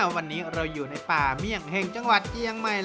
วันนี้เราอยู่ในป่าเมี่ยงแห่งจังหวัดเจียงใหม่